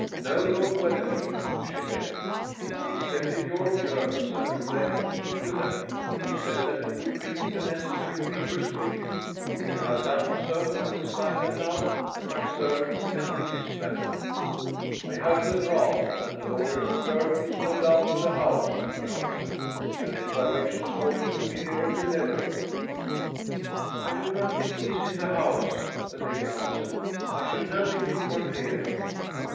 "No, Lord Wetherby," she said, "I accepted your terms. I prefer to keep to them. You said that you would bring the necessary papers with you. If you have done so I will sign them now, and my servants can witness them." "I have the draft and the lawyer's clerk is no doubt in the house," he answered. "I left directions for him to be here at eleven." "I do not think he is in the house," the lady answered. "I should know if he were here."